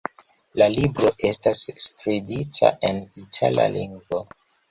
La libro estas skribita en itala lingvo.